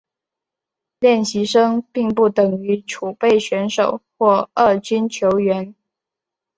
练习生并不等于储备选手或二军球员。